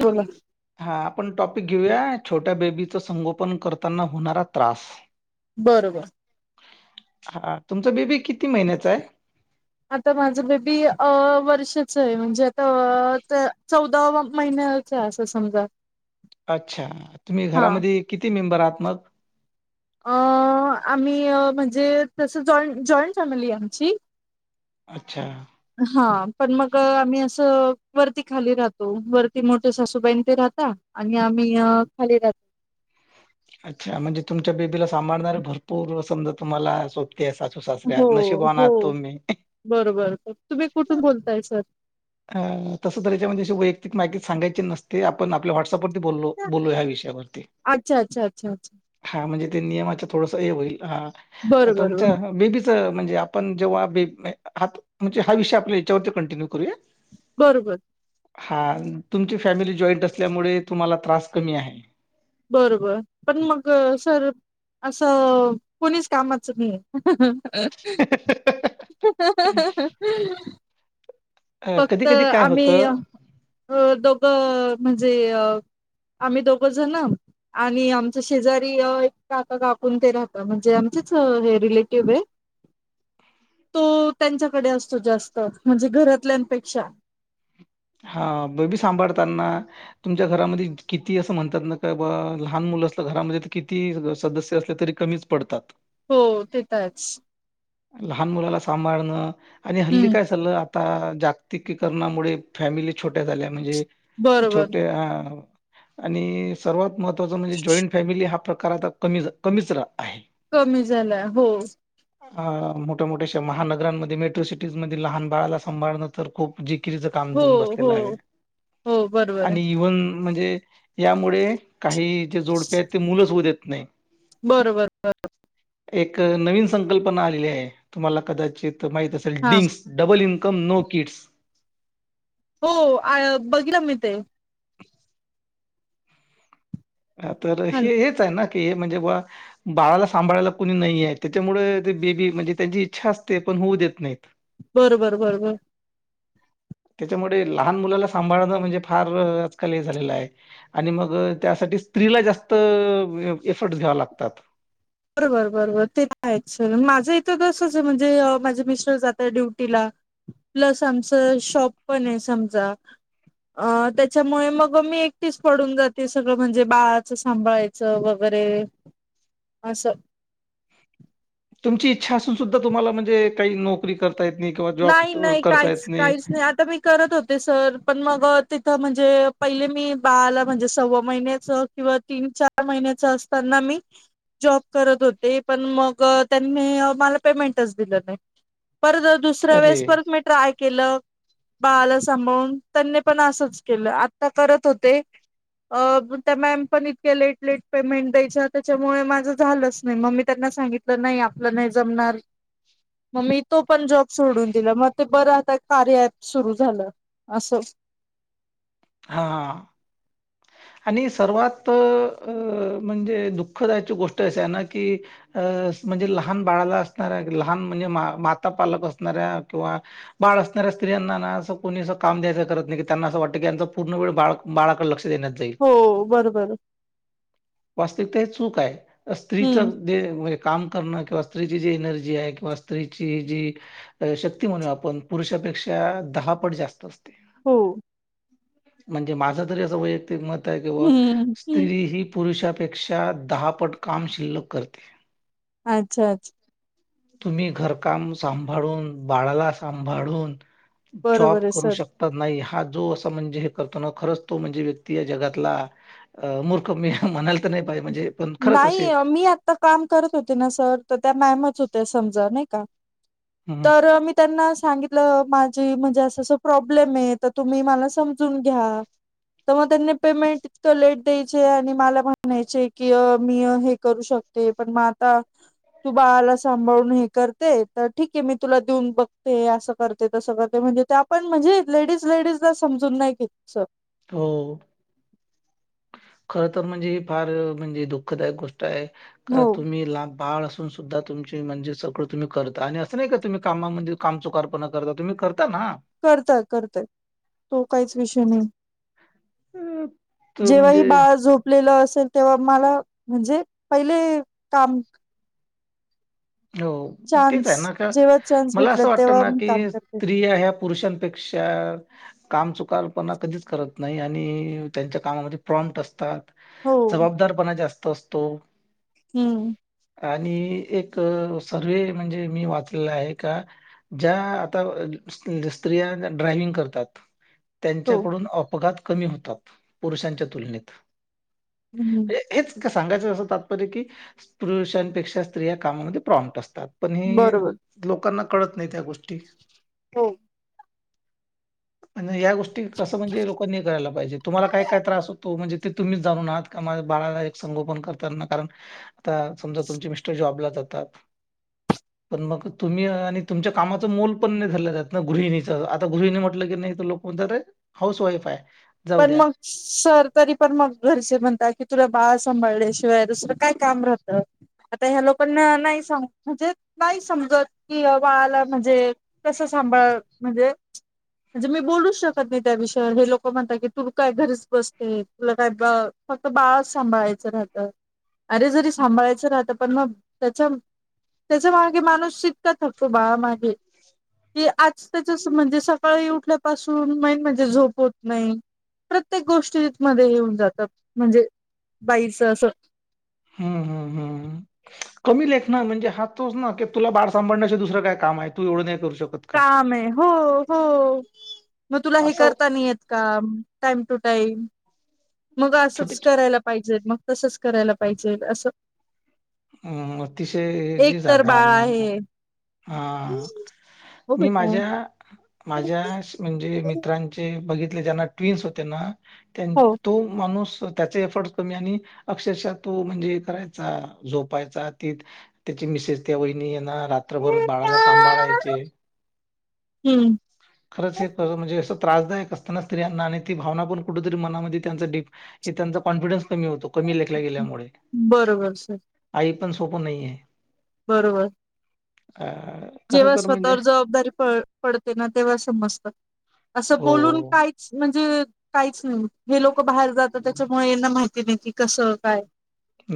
बोला हां, आपण टॉपिक घेऊया छोट्या बेबीच संगोपन करताना होणारा त्रास? बरोबर. हा तुमचा बेबी किती महिन्याचा आहे? आता माझ बेबी वर्षाच आहे म्हणजे आता चौदावा महि असं समजा? अच्छा! तुम्ही हा. घरामध्ये किती मेंबर आहात मग? अ आम्ही म्हणजे तसं जॉं जॉईंट फॅमिली आहे आमची. अच्छा! हा पण मग आम्ही असं वरती खाली राहतो वरती मोठे सासूबाईन ते राहत. आ आणि आम्ही खाली राातो. अच्छा म्हणजे तुमच्या बेबीला सांभाळणारे भरपूर समजा तुम्हाला. ते सासू सासऱ्या हो नशिबवान हो आहात तुम्ही. बरोबर तुम्ही कुठून बोलताय सर? तसच्या म्ह वैयक्तिक माहिती सांगायची नसते आपल्या व. [inaudible] बोलो ह्या विषयावरती. अच्छा अच्छा अच्छा अच्छा हा म्हणेज ते नियमाच्या थोडंस हे होईल हा बरं बरोबर तुमचं बेबी च म्हणजे आपण जेव्हा म्हणजे हा विषय आप याच्यावरती कंटिन्यू करूया. बरोबर. हा तुमची फॅमिली जॉईंट असल्यामुळे तुम्हाला त्रास कमी आहे. बरोबर पण मग सर असं कोणीच कामाच नाही. [inaudible] अ, फक्त कधी-कधी काय आम्ही अ होतं दोघं म्हणजे अ आम्ही दोघं जण. आणि आमच शेजारी एक काका कापून ते राहत म्हणजे आमचेच हे रिलेटिव्ह आहे. ह. तो त्यांच्याकडे असतो जास्त म्हणजे घरातल्यांपेक्षा. हा बेबी सांभाळतना तुमच्या घरामध्ये किती असं म्हणतात ना का लहान. घरामध्ये किती सदस्य असले तरी कमीच पडतात. हो तेताच. लहान मुलाला सांभाळणं आणि हल्ली हम्म काय ल्लं आता जागतिकीकरणामुळे. फॅमिली छोट्या झाल्या म्हणजे बरोबर छोट्या आणि सर्वात म म्हणजे जॉईंट फॅमिली हा प्रकार आता कमी कमीच आहे. कमी झाला हो. अ मोठ्या मोठ्याशा महानगरांमध्ये मेट्रो सिटीज म लहान बाळाला सभाळण तर खूप जिच. हो काम ेऊन हो बसलेला आहे हो बरोबर आहे आणि इव्हन. म्हणजे यामुळे काही जे जोडपे आहेत ते मुलंच होऊ देत नाही. बरोबर एक नवीन संकल्पना आलेली आहे तुम्हाला कदाचित माहित असेल हा dinks double income no kids. हो बघलं मी ते तर हॅलो हे हेच आहे ना. म्हणजे बा बाळाला सांभायला कणी नाही त्याच्यामुळे बेबी म्हणजे त्यांची इच्छा असते. ण होऊ देत नाही. बरोबर बरोबर. [inaudible] त्याच्यामुळे लहान मुलाला सांभाळणं म्हणजे फार आजकाल हे झालेलं आहे आणि मग त्यासाठी. स्त्रीला जास्त एफर्ट घ्यावा लागतात. बरोबर बरोबर ते माझं इथ तसंच आहे म्हणजे माझे मिस्टर जात आहे ड्युटीला. प्लस आमचं शॉप पण आहे समजा. अ त्याच्यामुळे मग मी एकटीच पडून जाते सगळं म्हणजे बाळाचं सांभाळायचं वगैरे. अरे. [inaudible] अस तुमची इच्छा असून सुद्धा तुमला म्हणे का नकरी कर नाही नाही काहीच काहीच नाही आता मी करत होते सर पण मग तिथं म्हणजे पहिले मी बाळाला म्हणजे सव्वा महिन्याच किंवा तीन चार महिन असंताना मी जॉब करत होते पण मग त्यांनी मला पेमेंटच दिलं नाही परत दुसऱ्या अरे वेळेस परत मी ट्राय केलं बाळाला सांभाळून त्यांनी पण असंच केलं आता करत होते त्या मॅम पण इतक्या लेट लेट पेमेंट द्यायच्या त्याच्यामुळे माझं झालंच नाही मग मी त्यांना सांगितलं नाही आपलं नाही जमणार मग मी तो पण जॉब सोडून दिलं मग ते बरं आता कार्य अँप सुरू झालं अस हा आणि सर्वात म्हणजे दुःखदायची गोष्ट अशी आहे ना की अ म्हणजे लहान बाळाला असणाऱ्या लहान म्हणजे माता पालक असणाऱ्या किंवा बाळ असणाऱ स्त्रियाना ना असं कोणी असं काम द्यायच करत नाहीी त्यांना असं वाटतं की यांं पूर्ण वेळ बा बाळा लक्ष देण्यात जाईल हो बरोबर वास्तविकता हे चूक चूक आहे स्त्रीच हम्म जे हे कामण किंवा स्त्रीची जी एनर्जी आहे किंवा स्त्रीची जी शक्ती म्हणू आपण पुरुष पेक्षा दहा पट जास्त असते हो म्हणजे माझं तरी असं वैयक्तिक मत आहे कि बुव हम्म हम्म स्त्री ह पुरुषात पेक्षा दहापट काम शिल्लक करते अच्छा अच्छा तुम्ही घरकाम सांभाळून बाळाला सांभाळून जॉब बरोबर आहे करू सर शकतात नाही हा जो म्हणजे हे करताना खरंच तो म्हणजे व्यक्ती या जगातला मूर्ख म्हणाल नाही मी आता काम करत होते ना सर तर त्या मॅमच हो तर समज नाही का हं, हं. तर मी त्यांना सांगितलं माझं ते म्हणजे असं प्रॉब्लेम येत तुम्ही मला समजून घ्या तेव्हा त्यांनी पेमेंट लेट द्यायचे आणि मला म्ह म्हणायचे की मी हे करू शकते पण मग आता तू बाळाला सांभाळून हे करते तर ठीक आहे मी तुला देऊन बघते असं करते तसं करते म्हणजे आपण म्हणजे लेडीज लेडीज ला समजून नाही घेत सर हो खर तर म्हणजे फार म्हणजे दुःखदायक गोष्ट आहे हो तुम्ही लाभ बाळ असून सुद्धा तुमचे म्हणजे सगळं तुम्ही करता आणि असं नाही का तुम्ही कामामध्ये काम चुकारपना करता तुम्ही करता ना. करतोय करतोय तो काहीच विषय नाही हम्म जेव्हा ही बाळ झोपलेलं असेल तेव्हा मला म्हणजे पहिले काम हो तेच चान्स आहे ना का जेव्हा चान्स मला भेटला असं वाटत तेव्हा ना मी की काम करते स्त्रिया ह्या पुरुषांपेक्षा काम चुकारपणा कधीच करत नाही आणि त्यांच्या कामामध्ये प्र असतात हो जबदारपणा जास्त असतो हम्म आणि एक सर्वे म्हणजे मी वाचलेला आहे का ज्या आता स्त्रिया ड्रायविंग करतात हो त्यांच्याकडून अपघात कमी होतात पुरुषांच्या तुलनेत हम्म म्हणजे हेच सांगायचं असं तात्पर्य की पुरुषांपेक्षा स्त्रिया कामामध्ये प्रॉम्ट असतात पण ह बरोबर लोकांना कळतं नाही त्या गोष्टी हो [inaudible] म्हणजे या गोष्टी कसं म्हणजे लोकांनी करायला पाहिजे तुम्हाला काय काय त्रास होतो म्हणजे ते तुम्हीच जाणून आहात त्या बाळाला एक संगोपन करताना कारण आता समजा तुमची मिस्टर जॉबला जातात पण मग तुम्ही आणि तुमच्या कामाच मोल पण नाही धरल्या गृहिणीच आता गृहिणी म्हटलं की. नाही तर लोक म्हणताते हाऊस वाईफ आहे. जाऊ पण द्या. मग शहर तरी पण मग घरचे म्हनता कि तुला बाळ सांभाळल्याशिवाय दुसरं काय काम राहतं. आता ह्या लोकांना नाही म्हणजे नाही समजत कि बाळाला म्हणजे. कसं सांभाळ म्हणजे म्हणजे मी बोलूचं शकत नाही त्या विषयावर हे लोक म्हणता. क तू काय घरीच बसते तुला काय फक्त बाळचं सांभाळायचं राहतं अरे जरी सांभाळायचं राहतं पण मग त्याच्या त्याचा मागे माणूस शिक्का थकतो बाळा मागे. आज त्याच्या म्हणजे सकाळी उठल्यापासून मेन म्हणजे झोप होत नाही. प्रत्येक गोष्टी मध्ये येऊनं जातातं म्हणजे बाईचं असं हम कमी लेखन म्हणजे हा तोच तुला बाळ सांभाण्याचे दुसरं काय काम तू एवढं नाही करू शकत. का? काम आहे हो हो मग तुला हे असं करता नाही येत. का टाईम टू टाईम मग छोटे असंच करायला पाहिजे मग तसंच करायला पाहिजे असं. अतिशय एक जे तर जाघा बाळ ना आहे [inaudible] हा हो मी बेटा माझ्या माझ्या म्हणजे मित्रांचे बघितले ज्यांना ट्विन्स होते ना. हो तो माणूस त्याचे एफर्ट कमी आणि अक्षरशः तो म्हणजे करायचा. झोपायच्या आत त्याची मिसेस त्या वहिणी येणार रात्रभरच बाळाला सांभाळायचे. हम्म, खरंच हे खरं म्हणजे असं त्रासदायक असताना स्त्रियांना ते भावना पण मनामध्ये डीप त्यांचा कॉन्फिडन् कमी होतो कमी लेखल्या गेल्यामुळे बरोबर सर आई पण सोपं नाही आहे बरोबर खर जेव्हा तर म्हणजे स्वतःवर जबाबदारी प पडते ना तेव्हा समजतात. असं बोलून हो काहीच म्हणजे काहीच नाही हे लोक बाहेर जात त्याच्यामुळेना माहितं. तिने कि कसं काय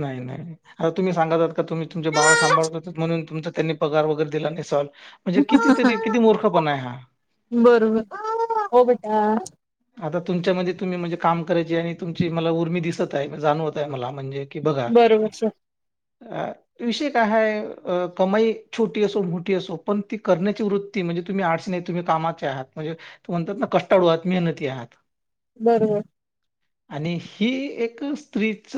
नाही नाही आता तुम्ही सांगतात का तुम्ही तुमचे बाळ सांभाळतं म्हणून तुमचा त्यांनी पगार वगैरे दिला नसेल. म्हणजे कितीतरी किती मूर्खपणा आहे हा. बरोबर हो बेटा. आता तुमच्यामध्ये तुम्ही म्हणजे काम करायची आणि तुमची मला उर्मी दिसत आहे जाणवत आहे मला म्हणजे की बघा बरोबर सर. अ विषय काय हय कमाई छोटी असो मोठी असो पण ती करण्याची वृत्ती म्हणजे? तुम्ही आडस नाही तुम्ही कामाचे आहात म्हजे म्हणात ना कष्टाळू आहेत मेहनती आहात बरोबर आणि ही एक स्त्रीच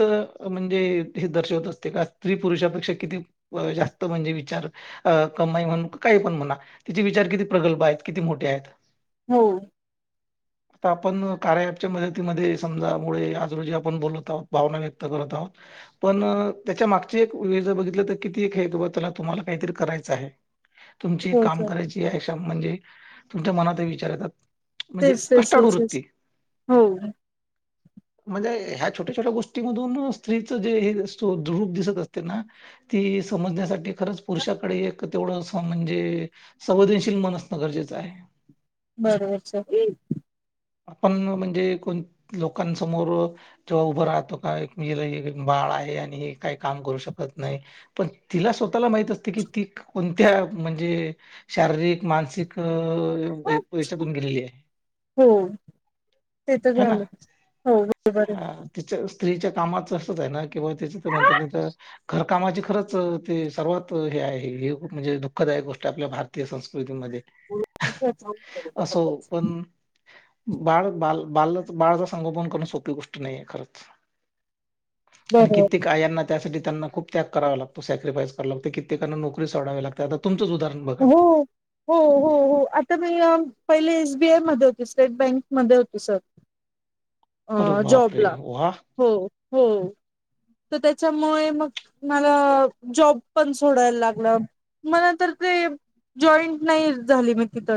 म्हणजे हे दर्शवत असते का स्त्री पुरुषापेक्षा किती जास्त. म्हणजे विचार कमा म्हण काय पण म्हणा तिचे विचार किती प्रकल्प आहेत किती मोठे आहेत हो [inaudible] आता आपण कार्य ॲपच्या मदतीमध्ये समजामुळे आज रोजी आपण बोलत आहोत. भावना व्यक्त करत आहोत. पण त्याच्या मागची एक वेळ जर बघितलं तर किती हे त्याला तुम्हाला काहीतरी करायचं आहे. तुमची हो काम सर करायची आहे म्हणजे तुमच्या मनात विचार येतात. म्हणजे तेच तेच कष्टाळू तेच तेच वृत्ती. हो म्हणजे ह्या छोट्या छोट्या गोष्टीमधून स्त्रीच रूप दिसत असते ना. समजण्यासाठी खरंच पुरुषाकडे एक तेवढं म्हणजे संवेदनशील मनसणं गरजेचं आहे बरोबर स एक आपण म्हणजे कोण लोकांसमोर जेव्हा उभं राहतो का बा आहे आणि काही काम करू शकत नाही पण तिला स्वतः ला माहित असते म्हणजे शारीरिक मानसिक हच्यातून गेलेली आहे हो ते तर है ना? झाल हो बरोबर हा तिच्या स्त्रीच्या कामाचं असच आहे ना किंवा त्याच म्हणतात तर घरकामाची खरच ते सर्वात हे म्हणजे दुःखदायक गोष्ट आपल्या भारतीय संस्कृती असो पण बाळ बाल बा बाळाच संगोपन कोण सोपी गोष्ट नाहीे खरंच. आणि बरोबर कित्येक आयांना त्यासाठी. ना खूप त्याग करावा लागतो सेक्रिफ्राईज करावेज्ञलागते कित्येकांना नोकरी सोडावी लागते. उदाहरण बघा हो ना हो हो हो आता मी पहिले एसबीआय हो स्टेट बँक मध्ये होती सर अ अरे बापरे जॉबला वा हो हो तर त्याच्यामुळे मग मला जॉब पण सोडायला लागलं मला तर ते जॉईंट नाही झाली मग तिथं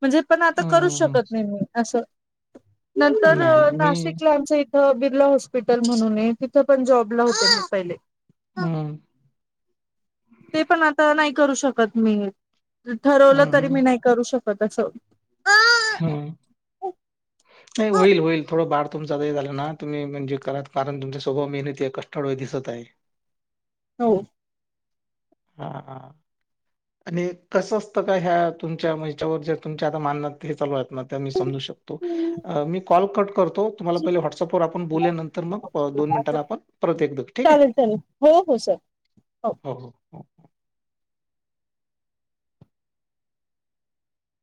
म्हणजे पण आता करूच हम्म शकत नाहीे मी असं नंतर नाही मी नाशिकला आमचं इथं बिर्ला हॉस्पिटल म्हणून आहे तिथं तिथे पण जाँब ला होते मी पहिले हम्म ते पण आता करू शकत मी ठरवलं हम्म तरी हम्म मी नाही करू शकत अस हम्म नाही होईल होईल थोडं बार तुमचा झाला ना तुम्ही म्हणजे करा कारण तुमचा स्वभाव मेहनत आहे कष्टमय दिसत आहे [inaudible] हो हा हा आणि कसं असतं का ह्या तुमच्याच्यावर जे तुमचे आता मान हे चालू आहे मी समू शकतो मी कॉल कट करतो. तुम्हाला पहिले व्हट्सअप वर आपण चालेल बोलल्यानंतर मग दोन मिनिट आप परत एक ठीक. चालेल हो हो सर हो.